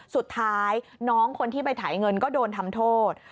สุดท้ายน้องคนที่ไปถ่ายเงินก็โดนทำโทษ